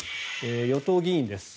与党議員です。